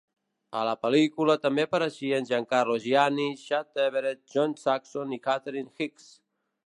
A la pel·lícula també apareixien Giancarlo Giannini, Chad Everett, John Saxon i Catherine Hicks.